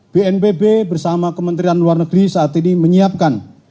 bnpb bersama kementerian luar negeri saat ini menyiapkan